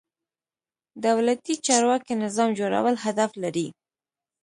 دولتي چارواکي نظام جوړول هدف لري.